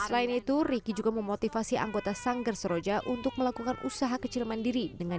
selain itu riki juga memotivasi anggota sanggar seroja untuk melakukan usaha kecil mandiri dengan